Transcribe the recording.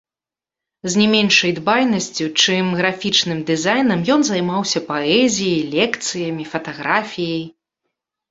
З не меншай дбайнасцю, чым графічным дызайнам, ён займаўся паэзіяй, лекцыямі, фатаграфіяй.